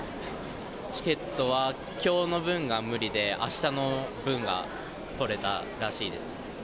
チケットは、きょうの分が無理で、あしたの分が取れたらしいです。